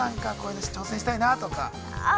◆挑戦したいなとか。